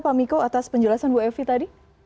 pak miko atas penjelasan bu evi tadi